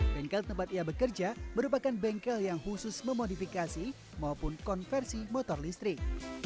bengkel tempat ia bekerja merupakan bengkel yang khusus memodifikasi maupun konversi motor listrik